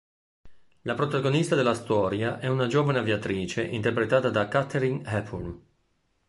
La protagonista della storia è una giovane aviatrice interpretata da Katharine Hepburn.